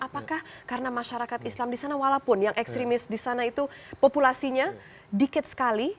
apakah karena masyarakat islam di sana walaupun yang ekstremis di sana itu populasinya dikit sekali